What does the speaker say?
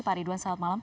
pari dwan selamat malam